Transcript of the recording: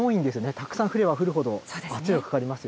たくさん降れば降るほど圧がかかりますよね。